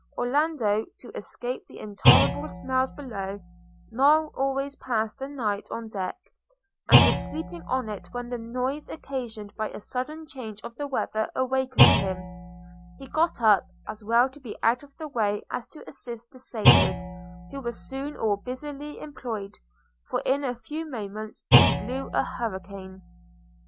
Orlando, to escape the intolerable smells below, now always passed the night on deck, and was sleeping on it when the noise occasioned by a sudden change of the weather awakened him: he got up, as well to be out of the way as to assist the sailors, who were soon all busily employed; for in a few moments it blew a hurricane.